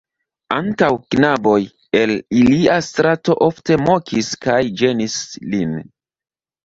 Ankaŭ knaboj el ilia strato ofte mokis kaj ĝenis lin.